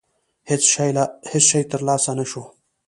هېڅ شی ترلاسه نه شو.